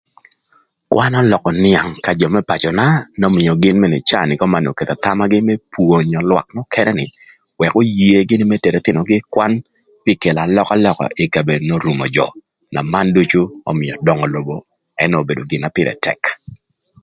Kwan ölökö nïang ka jö më pacöna n'ömïö gïn mënë ï caa köman nï oketho gen gï ï kite më pwonyo lwak nökënë nï wëk oye gïnï më tero ëthïnögï ï kwan pï kelo alökalöka ï kabedo n'orumo jö na man ducu ömïö döngö lobo ënë obedo gin na pïrë tëk.